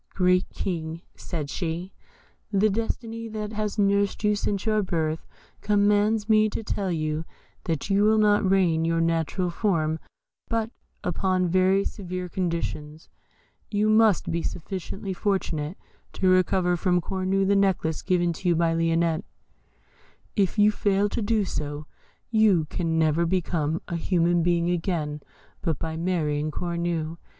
"Great King," said she, "the destiny that has nursed you since your birth commands me to tell you that you will not regain your natural form but upon very severe conditions. You must be sufficiently fortunate to recover from Cornue the necklace given to you by Lionette. If you fail to do so, you can never become a human being again but by marrying Cornue.